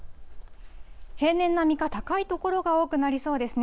平年並みか高い所が多くなりそうですね。